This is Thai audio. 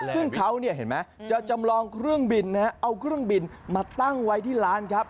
ซึ่งเขาจะจำลองเครื่องบินนะครับเอาเครื่องบินมาตั้งไว้ที่ร้านครับ